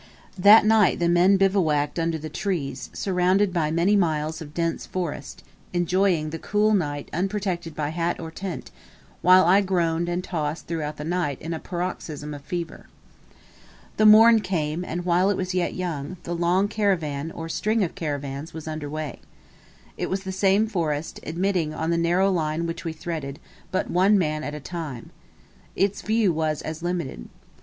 That night the men bivouacked under the trees, surrounded by many miles of dense forest, enjoying the cool night unprotected by hat or tent, while I groaned and tossed throughout the night in a paroxysm of fever. The morn came; and, while it was yet young, the long caravan, or string of caravans, was under way. It was the same forest, admitting, on the narrow line which we threaded, but one man at a time. Its view was as limited.